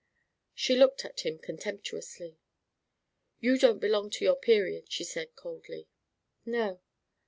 She looked at him contemptuously: "You don't belong to your period," she said, coldly. "No."